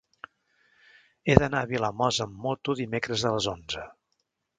He d'anar a Vilamòs amb moto dimecres a les onze.